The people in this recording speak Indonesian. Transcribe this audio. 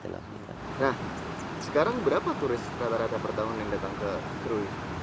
nah sekarang berapa turis rata rata per tahun yang datang ke krui